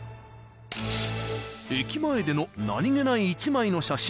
［駅前での何げない１枚の写真］